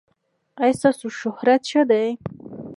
ایا ستاسو شهرت ښه دی؟